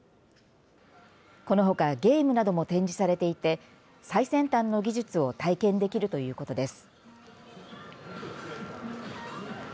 このほかゲームなども展示されていて最先端の技術を体験できるということです。